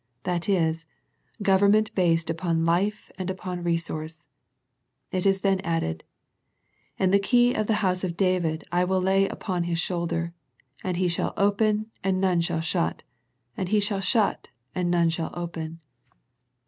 That is, government based upon life and upon resource. It is then added " And the key of the house of David will I lay upon his shoulder; and he shall open, and none shall shut; and he shall shut, and none shall open."